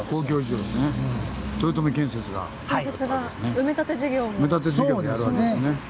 埋め立て事業もやるわけですね。